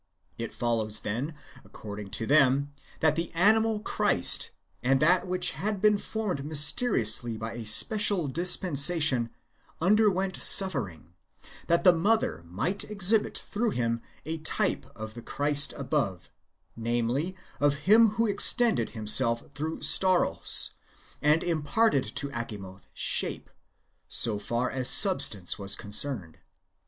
It follows, then, according to them, that the animal Christ, and that which had been formed mysteriously by a special dispensation, underwent suffering, that the mother might exhibit through him a type of the Christ above, namely, of him who extended himself through Stauros," and imparted to Achamoth shape, so far as substance was concerned.